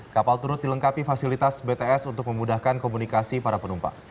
kapal turut dilengkapi fasilitas bts untuk memudahkan komunikasi para penumpang